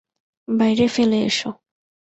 বাইরে ফেলে এসো!